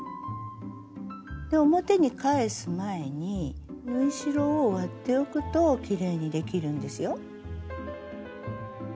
で表に返す前に縫い代を割っておくときれいにできるんですよ。